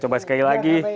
coba sekali lagi